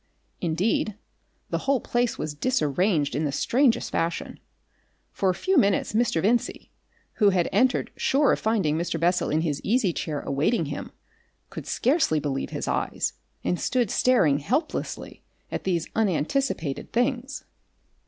Indeed the whole place was disarranged in the strangest fashion. For a few minutes Mr. Vincey, who had entered sure of finding Mr. Bessel in his easy chair awaiting him, could scarcely believe his eyes, and stood staring helplessly at these unanticipated things.